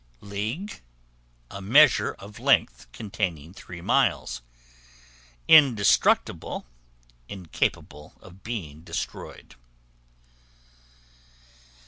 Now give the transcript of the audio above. League, a measure of length containing three miles. Indestructible, incapable of being destroyed.